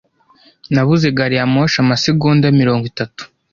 Nabuze gari ya moshi amasegonda mirongo itatu.